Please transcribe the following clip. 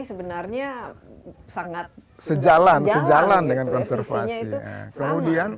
sebenarnya sangat sejalan dengan konservasi